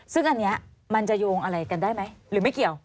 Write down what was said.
ซึ่งอันนี้มันจะโยงอะไรกันได้ไหมหรือไม่เกี่ยว